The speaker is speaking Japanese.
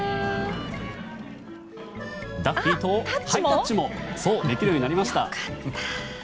ダッフィーとハイタッチもできるようになりました。